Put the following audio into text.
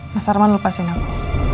mas arman lupasin aku